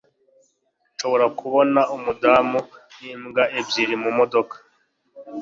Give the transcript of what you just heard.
ndashobora kubona umudamu n'imbwa ebyiri mumodoka